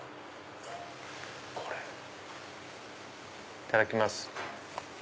いただきます。